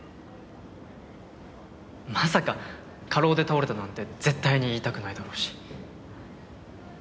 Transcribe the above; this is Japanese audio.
まさか過労で倒れたなんて絶対に言いたくないだろうし。